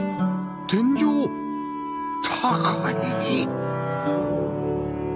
天井高い！